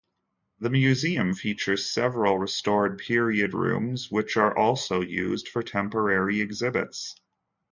The museum features several restored period rooms which are also used for temporary exhibits.